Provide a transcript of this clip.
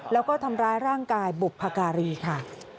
แล้วก็ทำร้ายร่างกายบุพการีค่ะ